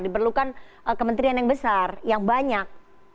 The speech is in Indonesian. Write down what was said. diperlukan kementerian yang besar yang banyak